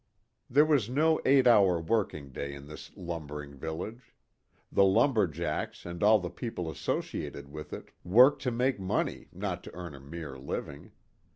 There was no eight hour working day in this lumbering village. The lumber jacks and all the people associated with it worked to make money, not to earn a mere living.